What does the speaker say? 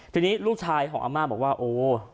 ทีนี้ลูกชายของอาม่าบอกว่าโอ้